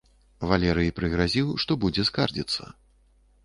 Валерый прыгразіў, што будзе скардзіцца.